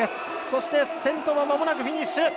そして、先頭はまもなくフィニッシュ。